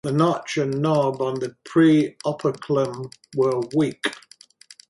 The notch and knob on the preoperculum are weak.